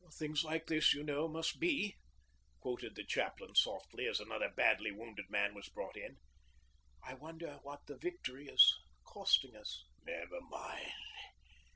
'Things like this, you know, must be,' quoted the chaplain softly, as another badly wounded man was brought in. 'I wonder what the victory is costing us?' 'Never mind.